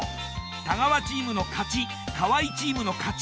太川チームの勝ち河合チームの勝ち